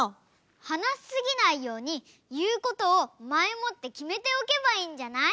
はなしすぎないようにいうことをまえもってきめておけばいいんじゃない？